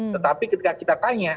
tetapi ketika kita tanya